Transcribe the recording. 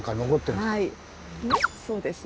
はいそうですね。